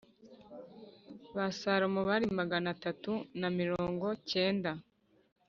Ba salomo bari magana atatu na mirongo kenda